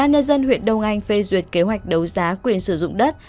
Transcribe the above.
nhà dân huyện đông anh phê duyệt kế hoạch đấu giá quyền sử dụng đất